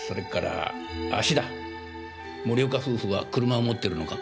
森岡夫婦は車を持ってるのか？